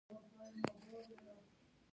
د نیمروز په خاشرود کې څه شی شته؟